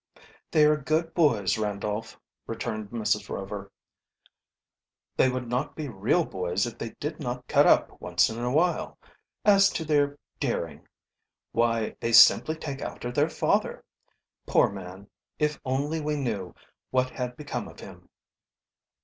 "They are good boys, Randolph," returned Mr. Rover. "They would not be real boys if they did not cut up once in a while. As to their daring why, they simply take after their father. Poor man. If only we knew, what had become of him."